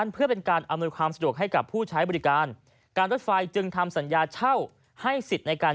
เป็นการเป็นการตอบคำถาม